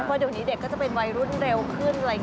เร็วดิวนี้เด็กก็จะเป็นวัยรุ่นเร็วขึ้น